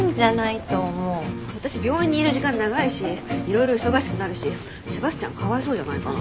私病院にいる時間長いしいろいろ忙しくなるしセバスチャンかわいそうじゃないかな。